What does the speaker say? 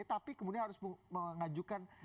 tapi kemudian harus mengajukan